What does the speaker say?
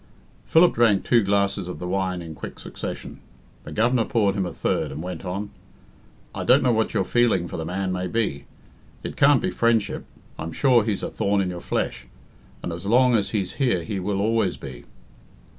Philip drank two glasses of the wine in quick succession. The Governor poured him a third, and went on "I don't know what you're feeling for the man may be it can't be friendship. I'm sure he's a thorn in your flesh. And as long as he's here he will always be."